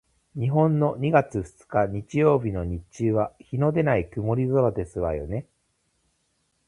日本の二月二日日曜日の日中は日のでない曇り空ですわよね？